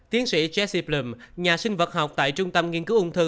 tiến sĩ jesse blum nhà sinh vật học tại trung tâm nghiên cứu ung thư